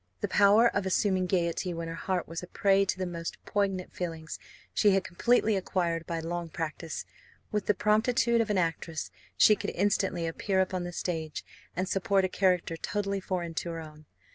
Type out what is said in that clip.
The power of assuming gaiety when her heart was a prey to the most poignant feelings, she had completely acquired by long practice. With the promptitude of an actress, she could instantly appear upon the stage, and support a character totally foreign to her own.